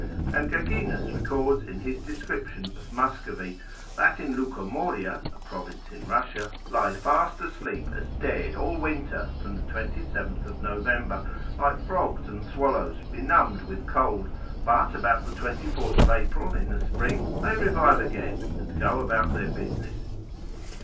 and Gaguinus records in his description of Muscovy, that in Lucomoria, a province in Russia, lie fast asleep as dead all winter, from the 27 of November, like frogs and swallows, benumbed with cold, but about the 24 of April in the spring they revive again, and go about their business.